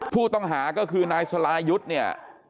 ผู้ต้องหาก็คือนายสลายุทธ์เนี่ย